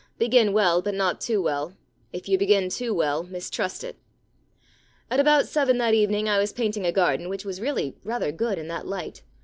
Begin well, but not too well. If you begin too well, mistrust it. * About seven that evening I was painting a garden which was really rather good in that light.